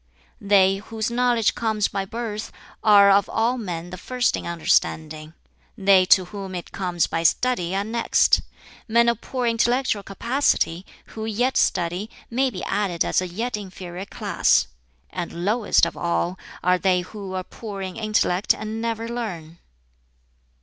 "They whose knowledge comes by birth are of all men the first in understanding; they to whom it comes by study are next; men of poor intellectual capacity, who yet study, may be added as a yet inferior class; and lowest of all are they who are poor in intellect and never learn."